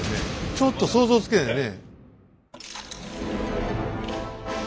ちょっと想像つかないね。